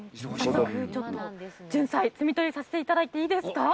ちょっとジュンサイの摘み取りをさせていただいていいですか。